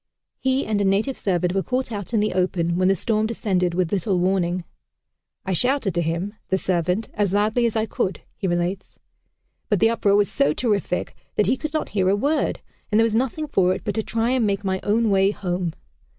He and a native servant were caught out in the open, when the storm descended with little warning. "I shouted to him (the servant) as loudly as I could," he relates, "but the uproar was so terrific that he could not hear a word, and there was nothing for it but to try and make my own way home.